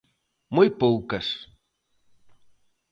Moi poucas.